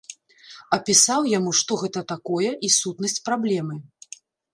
Апісаў яму, што гэта такое і сутнасць праблемы.